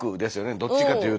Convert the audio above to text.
どっちかというと。